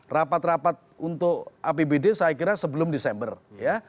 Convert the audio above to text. rapat rapat untuk apbd saya kira sebelum desember ya